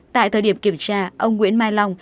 tại thời điểm kiểm tra ông nguyễn mai long